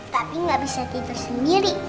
tapi nggak bisa tidur sendiri